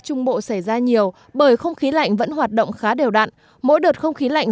trung bộ xảy ra nhiều bởi không khí lạnh vẫn hoạt động khá đều đặn mỗi đợt không khí lạnh